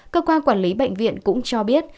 cơ quan quản lý bệnh viện cũng cho biết